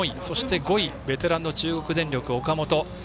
そして５位、ベテランの中国電力、岡本。